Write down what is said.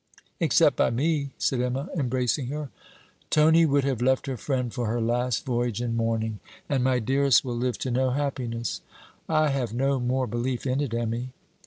'Except by me,' said Emma, embracing her. 'Tony would have left her friend for her last voyage in mourning. And my dearest will live to know happiness.' 'I have no more belief in it, Emmy.'